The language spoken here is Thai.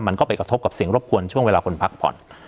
มันก็ไปกระทบกับเสียงรบกวนช่วงเวลาคนพักผ่อน